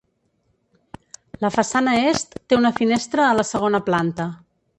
La façana est té una finestra a la segona planta.